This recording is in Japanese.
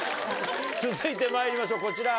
続いてまいりましょうこちら。